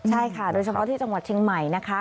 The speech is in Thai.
ใช่ค่ะโดยเฉพาะที่จังหวัดเชียงใหม่นะคะ